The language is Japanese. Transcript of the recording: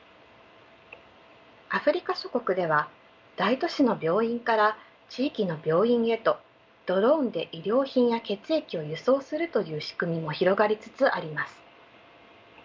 アフリカ諸国では大都市の病院から地域の病院へとドローンで医療品や血液を輸送するという仕組みも広がりつつあります。